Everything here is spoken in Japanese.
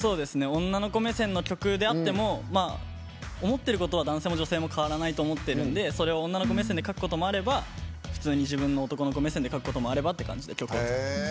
女の子目線の曲であっても思ってることは男性も女性も変わらないと思ってるんでそれを女の子目線で書くこともあれば普通に自分の男の子目線で書いたり曲を作ってます。